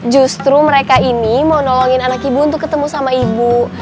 justru mereka ini mau nolongin anak ibu untuk ketemu sama ibu